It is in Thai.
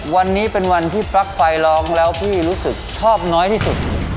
วันนี้เป็นวันที่ปลั๊กไฟร้องแล้วพี่รู้สึกชอบน้อยที่สุด